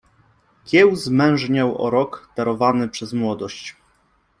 Kieł zmężniał o rok, darowany przez młodość.